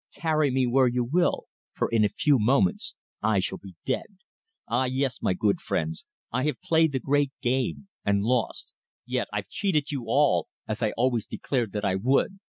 "Carry me where you will, for in a few moments I shall be dead. Ah! yes, my good friends! I have played the great game and lost. Yet I've cheated you all, as I always declared that I would."